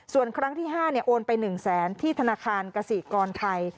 ส่วนครั้งที่๕โอนไป๑แสนที่ธนาคารกษีกรไทย